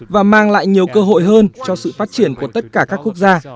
và mang lại nhiều cơ hội hơn cho sự phát triển của tất cả các quốc gia